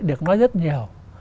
được nói rất nhiều